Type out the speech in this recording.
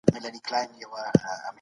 دا راپور په سمه توګه بشپړ سوی دی.